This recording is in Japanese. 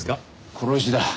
殺しだ。